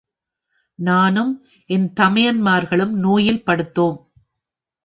நானும் என் தமையன் மார்களும் நோயில் படுத்தோம்.